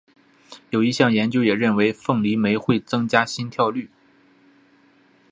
有一项研究也认为凤梨酶会增加心跳率。